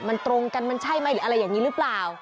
มันตรงกันมันใช่ไหมหรืออะไรอย่างนี้หรือเปล่า